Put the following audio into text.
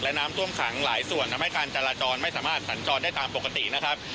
และน้ำท่วมขังหลายส่วนทำให้การจราจรไม่สามารถสัญจรได้ตามปกตินะครับ